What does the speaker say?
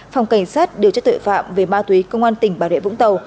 phòng cảnh sát điều tra tuệ phạm về ma túy công an tỉnh bà rịa vũng tàu